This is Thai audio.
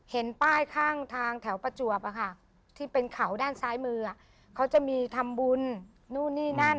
เห็นป้ายข้างทางแถวประจวบที่เป็นเขาด้านซ้ายมือเขาจะมีทำบุญนู่นนี่นั่น